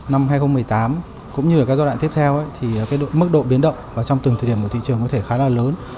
năm hai nghìn một mươi tám cũng như là các giai đoạn tiếp theo thì mức độ biến động và trong từng thời điểm của thị trường có thể khá là lớn